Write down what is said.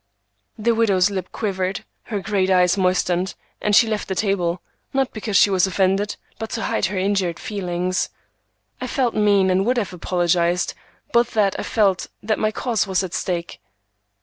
The widow's lip quivered, her great eyes moistened, and she left the table, not because she was offended, but to hide her injured feelings. I felt mean, and would have apologized, but that I felt that my cause was at stake.